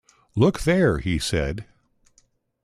‘Look there!’ he said.